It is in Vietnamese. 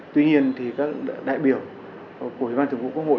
tuy nhiên thì các đại biểu của ủy ban thường vụ quốc hội